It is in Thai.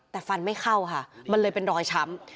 แต่ฟันไม่เข้าค่ะมันเลยเป็นรอยช้ำ